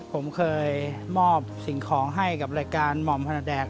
ผมเคยมอบสิ่งของให้กับรายการหม่อมพนาแดง